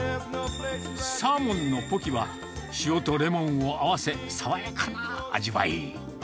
サーモンのポキは、塩とレモンを合わせ、爽やかな味わい。